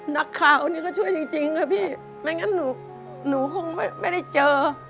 นักข่าวนี่ก็ช่วยจริงค่ะพี่ไม่งั้นหนูคงไม่ได้เจอ